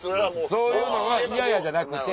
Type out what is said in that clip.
そういうのは嫌やじゃなくて。